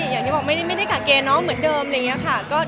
อย่างที่บอกไม่ได้กะเกณฑ์น้องเหมือนเดิมอะไรอย่างนี้ค่ะ